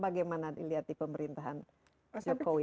bagaimana dilihat di pemerintahan jokowi